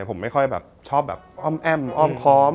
ผมไม่ค่อยแบบชอบแอ้มอ้อมคอม